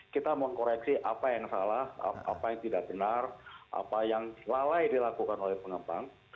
kita mengkoreksi apa yang salah apa yang tidak benar apa yang lalai dilakukan oleh pengembang